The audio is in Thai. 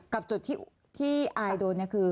กับจุดที่อายโดนเนี่ยคือ